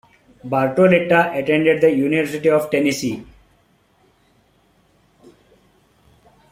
Bartoletta attended the University of Tennessee.